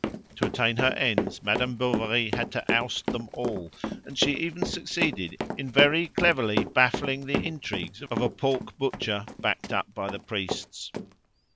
To attain her ends Madame Bovary had to oust them all, and she even succeeded in very cleverly baffling the intrigues of a pork butcher backed up by the priests.